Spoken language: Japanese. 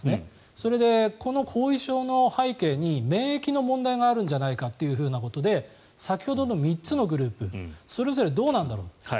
それで、この後遺症の背景に免疫の問題があるんじゃないかということで先ほどの３つのグループそれぞれどうなんだろうと。